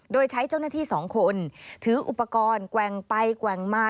โดยใช้เจ้าหน้าที่สองคนถืออุปกรณ์แกว่งไปแกว่งมา